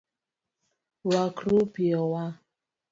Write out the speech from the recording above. Rwakru piyo wa